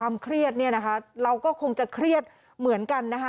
เครียดเนี่ยนะคะเราก็คงจะเครียดเหมือนกันนะคะ